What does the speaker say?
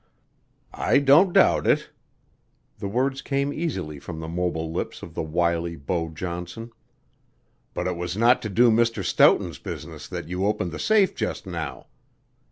"I don't doubt it." The words came easily from the mobile lips of the wily Beau Johnson. "But it was not to do Mr. Stoughton's business that you opened the safe just now.